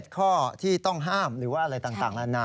ข้อที่ต้องห้ามหรือว่าอะไรต่างนานา